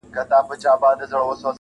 چي افغانان په خپل هیواد کي -